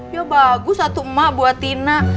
ya bagus satu emak buat tina